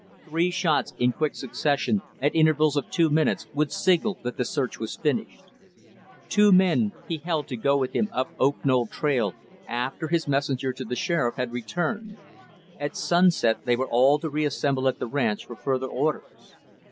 Three shots in quick succession, at intervals of two minutes, would signal that the search was finished. Two men, he held to go with him up Oak Knoll trail, after his messenger to the Sheriff had returned. At sunset, they were all to reassemble at the ranch for further orders.